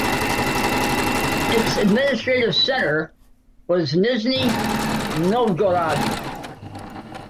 Its administrative centre was Nizhny Novgorod.